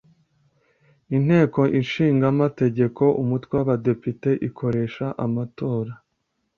Inteko Ishinga amategeko Umutwe w’Abadepite ikoresha amatora